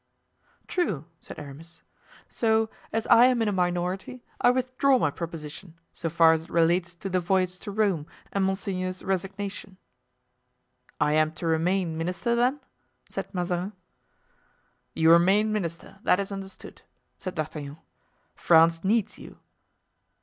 "True," said Aramis, "so, as I am in a minority, I withdraw my proposition, so far as it relates to the voyage to Rome and monseigneur's resignation." "I am to remain minister, then?" said Mazarin. "You remain minister; that is understood," said D'Artagnan; "France needs you."